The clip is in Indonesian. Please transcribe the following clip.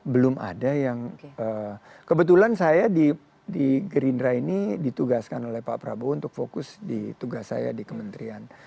belum ada yang kebetulan saya di gerindra ini ditugaskan oleh pak prabowo untuk fokus di tugas saya di kementerian